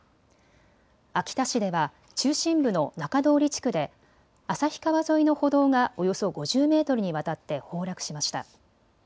秋田市では中心部の中通地区で旭川沿いの歩道がおよそ５０メートルにわたって崩落しました。